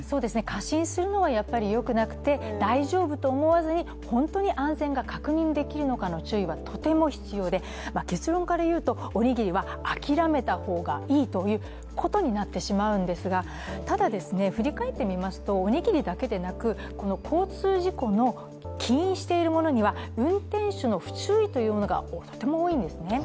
過信するのはよくなくて、大丈夫と思わずに、本当に安全が確認できるかの注意はとても必要で結論からいうと、おにぎりは諦めた方がいいということになってしまうんですがただ、振り返ってみますとおにぎりだけでなく、この交通事故の起因しているものには運転手の不注意というものがとっても多いんですね。